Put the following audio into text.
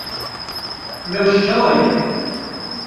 Rewş çawa ye?